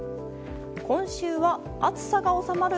今週は、暑さが収まる